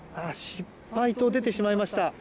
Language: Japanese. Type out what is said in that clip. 失敗と出てしまいました。